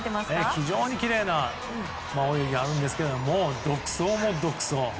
非常にきれいな泳ぎがあるんですけどももう、独走も独走。